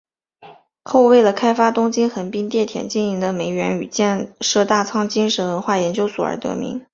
后为了开发东京横滨电铁经营的梅园与建设大仓精神文化研究所而更名。